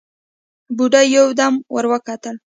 بوډۍ يودم ور وکتل: